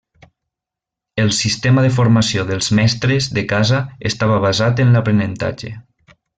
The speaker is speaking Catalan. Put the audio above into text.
El sistema de formació dels mestres de casa estava basat en l’aprenentatge.